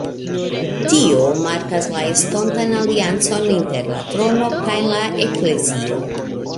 Tio markas la estontan aliancon inter la trono kaj la Eklezio.